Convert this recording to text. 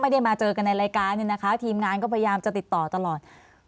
ไม่ได้มาเจอกันในรายการเนี่ยนะคะทีมงานก็พยายามจะติดต่อตลอด